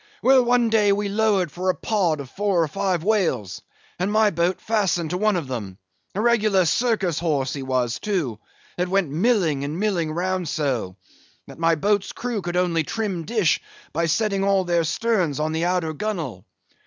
Well, one day we lowered for a pod of four or five whales, and my boat fastened to one of them; a regular circus horse he was, too, that went milling and milling round so, that my boat's crew could only trim dish, by sitting all their sterns on the outer gunwale.